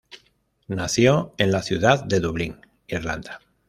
Nació en la ciudad de Dublín, Irlanda.